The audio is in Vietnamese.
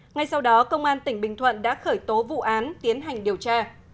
ngay sau đó công an tỉnh bình thuận đã khởi tố vụ án tiến hành điều tra